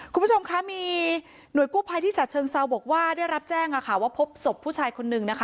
คุณผู้ชมคะมีหน่วยกู้ภัยที่ฉะเชิงเซาบอกว่าได้รับแจ้งว่าพบศพผู้ชายคนนึงนะคะ